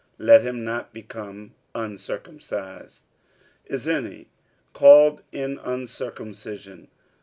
let him not become uncircumcised. Is any called in uncircumcision?